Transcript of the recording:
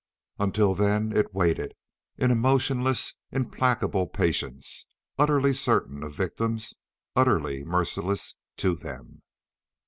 Until then it waited in a motionless, implacable patience; utterly certain of victims, utterly merciless to them.